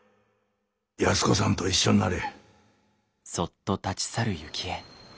安子さんと一緒んなれ。